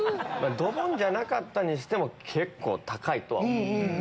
ドボンじゃなかったにしても結構高いとは思う。